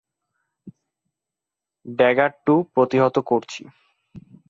Dagger two প্রতিহত করছি।